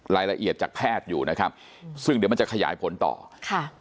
รายละเอียดจากแพทย์อยู่นะครับซึ่งเดี๋ยวมันจะขยายผลต่อค่ะ